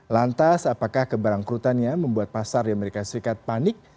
lantas apakah keberangkrutannya membuat pasar di amerika serikat panik